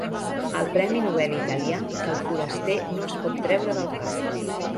El premi Nobel italià que el foraster no es pot treure del cap.